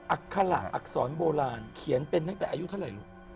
อัคระอักษรโบราณเขียนเป็นตั้งแต่อายุเท่าไหร่ลูก